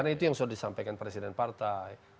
karena itu yang sudah disampaikan presiden partai